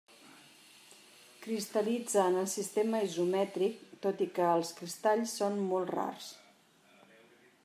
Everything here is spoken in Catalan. Cristal·litza en el sistema isomètric, tot i que els cristalls són molt rars.